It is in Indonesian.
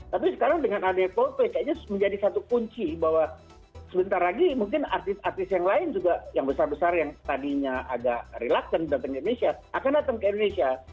tapi sekarang dengan adanya coldplay kayaknya menjadi satu kunci bahwa sebentar lagi mungkin artis artis yang lain juga yang besar besar yang tadinya agak reluctant datang ke indonesia akan datang ke indonesia